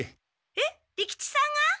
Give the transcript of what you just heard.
えっ利吉さんが？